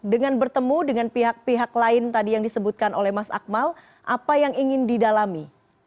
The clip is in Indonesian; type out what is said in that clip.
dengan bertemu dengan pihak pihak lain tadi yang disebutkan oleh mas akmal apa yang ingin didalami